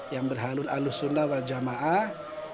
yang berhalun alus sunnah wal jamaah